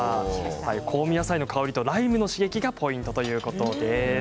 香味野菜の香りとライムの刺激がポイントだということです。